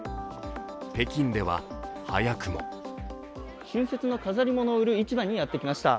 北京では早くも春節の飾り物を売る市場にやってきました。